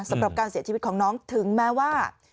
สำหรับการเสียชีวิตของน้องถึงแม้ว่า